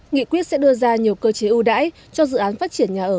nghị quyết sẽ đưa ra nhiều cơ chế ưu đãi cho dự án phát triển nhà ở